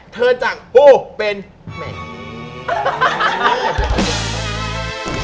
เธอจากโอ้เป็นแม่นี้